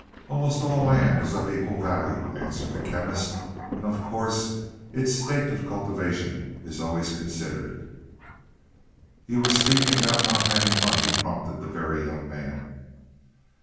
"Almost all land is of equal value," answered the Chemist. "And of course, its state of cultivation is always considered." "You were speaking about not having money," prompted the Very Young Man.